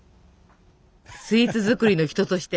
スイーツ作りの人として。